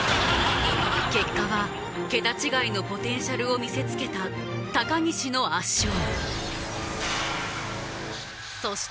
結果は桁違いのポテンシャルを見せつけた高岸の圧勝そして今夜